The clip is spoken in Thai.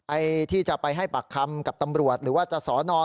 ไอ้ที่จะไปให้ปากคำกับตำรวจหรือว่าจะสอนอ